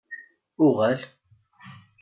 UƔal!